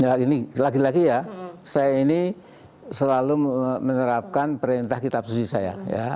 ya ini lagi lagi ya saya ini selalu menerapkan perintah kitab suci saya